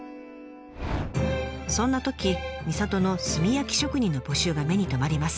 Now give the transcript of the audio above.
そんなとき美郷の炭焼き職人の募集が目に留まります。